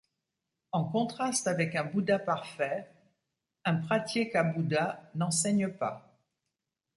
En contraste avec un bouddha parfait, un pratyekabuddha n'enseigne pas.